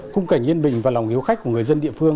khung cảnh yên bình và lòng hiếu khách của người dân địa phương